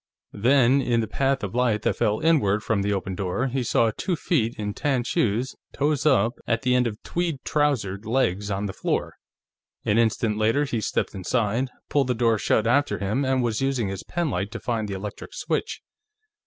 Then, in the path of light that fell inward from the open door, he saw two feet in tan shoes, toes up, at the end of tweed trousered legs, on the floor. An instant later he stepped inside, pulled the door shut after him, and was using his pen light to find the electric switch.